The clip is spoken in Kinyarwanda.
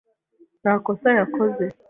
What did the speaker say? Nta kosa yakoze.